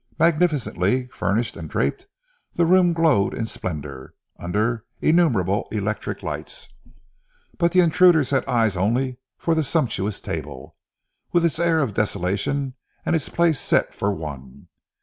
Magnificently furnished and draped, the room glowed in splendour, under innumerable electric lights. But the intruders had eyes only for that sumptuous table, with its air of desolation, and its place set for one.